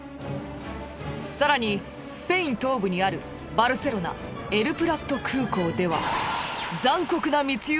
更にスペイン東部にあるバルセロナ＝エル・プラット空港では。